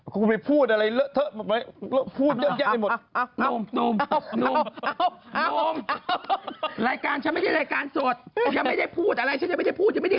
คุณไปพูดอะไรเลอะเทอะพูดเยอะแยะไปหมด